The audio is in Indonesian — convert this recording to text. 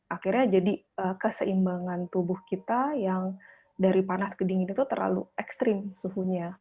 akhirnya jadi keseimbangan tubuh kita yang dari panas ke dingin itu terlalu ekstrim suhunya